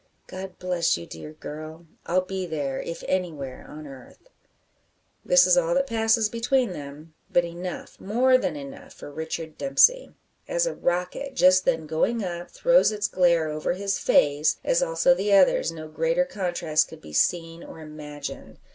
"God bless you, dear girl. I'll be there, if anywhere on earth." This is all that passes between them. But enough more than enough for Richard Dempsey. As a rocket, just then going up, throws its glare over his face, as also the others, no greater contrast could be seen or imagined.